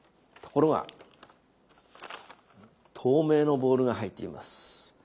ところが透明のボールが入っています。